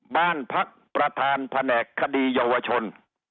บ้านพักประธานแผนกคดีเยาวชน